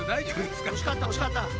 おしかったおしかった。